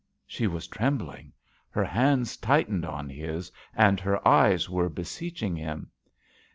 She was trembling. Her hands tightened on his and her eyes were be seeching him.